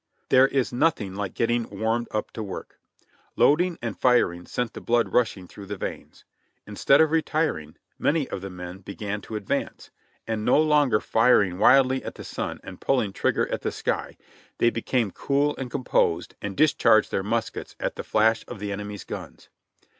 There is nothing like getting warmed up to work ! Loading and firing sent the blood rushing through the veins. Instead of retiring, many of the men began to advance ; and no longer firing wildly at the sun, and pulling trigger at the sky, they became cool and composed and discharged their muskets at the flash of the enemy's guns.